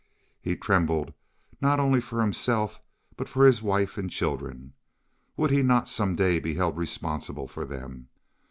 He trembled not only for himself, but for his wife and children. Would he not some day be held responsible for them?